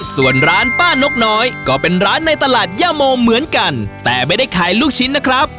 ส่วนร้านป้านกน้อยก็เป็นร้านในตลาดย่าโมเหมือนกันแต่ไม่ได้ขายลูกชิ้นนะครับ